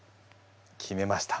決めました。